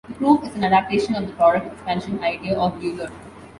The proof is an adaptation of the product expansion idea of Euler.